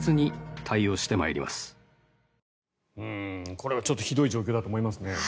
これはちょっとひどい状況だと思いますね。